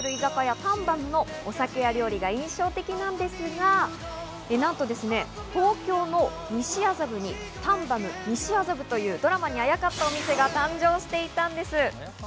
タンバムのお酒や料理が印象的なんですが、なんと、東京の西麻布にタンバム西麻布というドラマにあやかったお店が誕生していたんです。